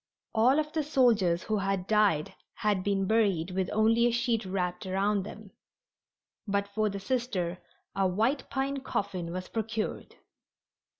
All of the soldiers who had died had been buried with only a sheet wrapped around them, but for the Sister a white pine coffin was procured.